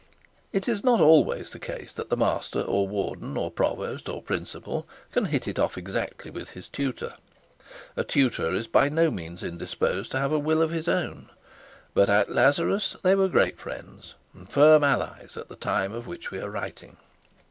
It is not always the case that the master, or warden, or provost, or principal can hit it off exactly with his tutor. A tutor is by no means indisposed to have a will of his own. But at Lazarus they were great friends and firm allies at the time of which we are writing.